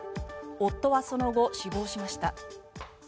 夫はその後、死亡しました。